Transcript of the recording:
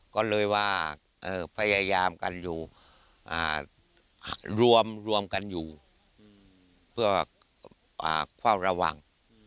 ก็เลยว่าให้รวมรวมกันอยู่เพื่อเข้าระวัง